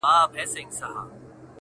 ښه پوهېږمه غمی له ده سره دی,